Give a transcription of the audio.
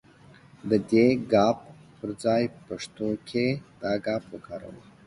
د دې ګ پر ځای پښتو کې دا گ وکاروئ.